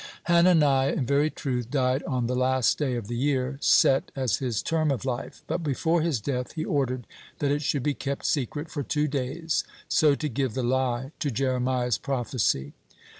Hananiah, in very truth, died on the last day of the year set as his term of life, but before his death he ordered that it should be kept secret for two days, so to give the lie to Jeremiah's prophecy.